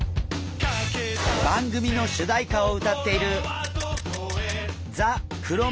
番組の主題歌を歌っている「地図の外」